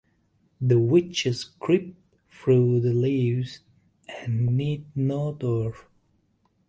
The witches creep through the leaves and need no door.